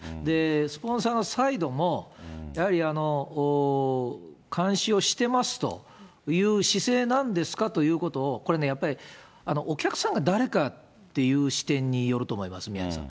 スポンサーサイドも、やはり監視をしてますという姿勢なんですかということを、これね、やっぱりお客さんが誰かっていう視点によると思います、宮根さん。